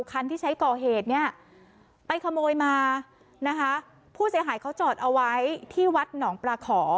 คันที่ใช้ก่อเหตุเนี่ยไปขโมยมานะคะผู้เสียหายเขาจอดเอาไว้ที่วัดหนองปลาขอ